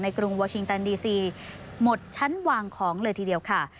กรุงวาชิงตันดีซีหมดชั้นวางของเลยทีเดียวค่ะ